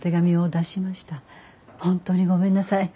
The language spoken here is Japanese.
本当にごめんなさい。